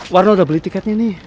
warno udah beli tiketnya nih